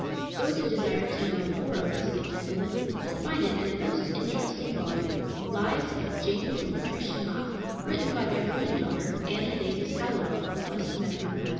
Those who desire to know, more of this gifted woman will find it in a most interesting volume, Lives of James and Lucretia Mott, written by their grandaughter, Anna Davis Hallowell, West Medford, Mass.